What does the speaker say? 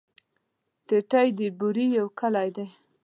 ټټۍ د بوري يو کلی دی.